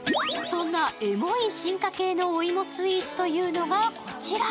そんなエモい進化系のお芋スイーツというのがこちら。